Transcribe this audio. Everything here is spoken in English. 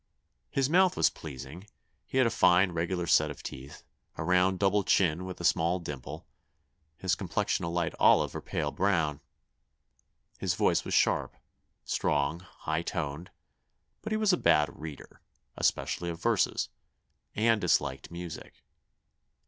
His mouth was pleasing, he had a fine regular set of teeth, a round double chin with a small dimple; his complexion a light olive or pale brown. His voice was sharp, strong, high toned; but he was a bad reader, especially of verses, and disliked music.